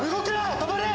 止まれ！